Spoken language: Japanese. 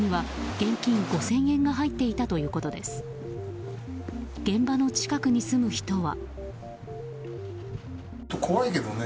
現場の近くに住む人は。